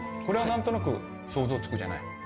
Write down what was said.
これは何となく想像つくじゃない？